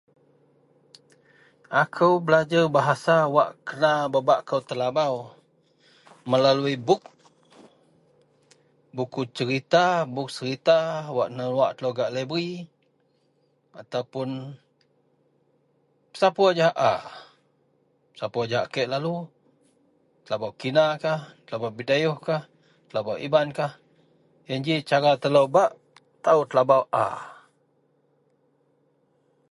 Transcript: akou belajer Bahasa wak kena bebak kou telabau melalui bup, buku cerita, bup Serita wak senuwak telou gak leberary ataupun pesapur jahak a, pesapur jahak a kek lalu. Telabaui kinakah, telebau bidayuhkah telabau ibankah ien ji cara telou bak taau telabau a